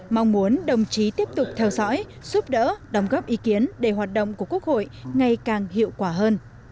mong muốn đồng chí tiếp tục theo dõi giúp đỡ đóng góp ý kiến để hoạt động của quốc hội ngày càng hiệu quả hơn